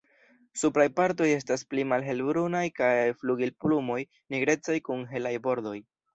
Supraj partoj estas pli malhelbrunaj kaj flugilplumoj nigrecaj kun helaj bordoj.